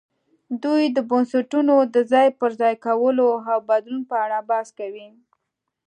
دوی د بنسټونو د ځای پر ځای کولو او بدلون په اړه بحث کوي.